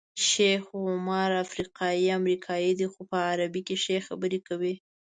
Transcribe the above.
شیخ عمر افریقایی امریکایی دی خو په عربي کې ښې خبرې کوي.